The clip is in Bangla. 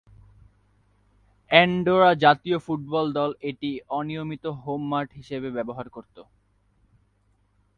অ্যান্ডোরা জাতীয় ফুটবল দল এটি অনিয়মিত হোম মাঠ হিসাবে ব্যবহার করতো।